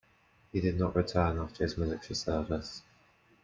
He did not return after his military service.